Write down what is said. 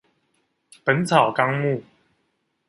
本草綱目